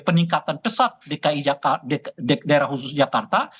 peningkatan pesat dki daerah khusus jakarta